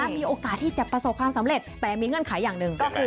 มีโอกาสที่จะประสบความสำเร็จแต่มีเงื่อนไขอย่างหนึ่งก็คือ